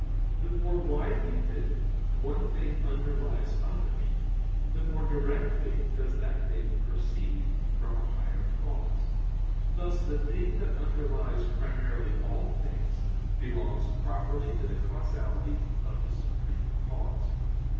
The more widely, then, one thing underlies others, the more directly does that thing proceed from a higher cause. Thus the thing that underlies primarily all things, belongs properly to the causality of the supreme cause.